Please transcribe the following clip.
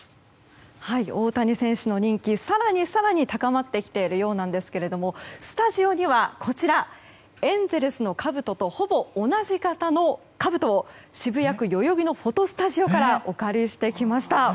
大谷選手の人気、更に更に高まってきているようなんですがスタジオにはエンゼルスのかぶととほぼ同じ型のかぶとを渋谷区代々木のフォトスタジオからお借りしてきました。